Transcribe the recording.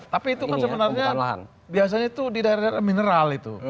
tapi itu kan sebenarnya biasanya itu di daerah daerah mineral itu